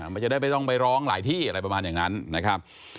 มันจะได้ไม่ต้องไปร้องหลายที่อะไรประมาณอย่างนั้นนะครับ